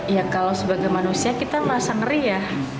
ya kalau sebagai manusia kita merasa ngeri ya